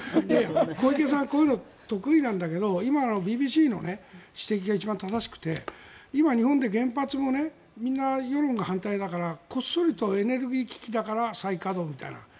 小池さんはこういうのが得意なんだけど今のＢＢＣの指摘が一番正しくて今、日本で原発もみんな世論が反対だからこっそりとエネルギー危機だから再稼働みたいな。